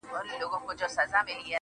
گلي نن بيا راته راياده سولې